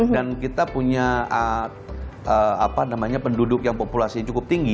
dan kita punya penduduk yang populasi cukup tinggi